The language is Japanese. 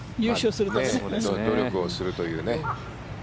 努力をするというね。